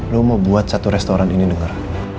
lo mau buat satu restoran ini denger